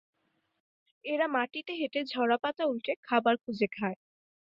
এরা মাটিতে হেঁটে ঝরা পাতা উল্টে খাবার খুঁজে খায়।